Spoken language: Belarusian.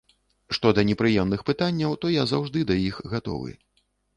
Што да непрыемных пытанняў, то я заўжды да іх гатовы.